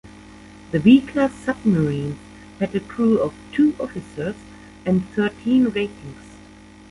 The B-class submarines had a crew of two officers and thirteen ratings.